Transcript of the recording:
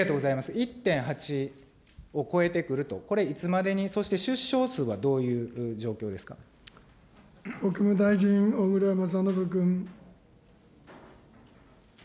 １．８を超えてくると、これ、いつまでに、そして出生数はどうい国務大臣、小倉將信君。